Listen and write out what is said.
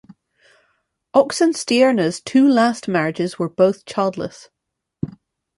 Oxenstierna's two last marriages were both childless.